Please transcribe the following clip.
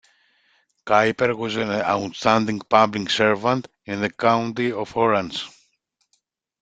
Kuyper was an outstanding public servant in the County of Orange.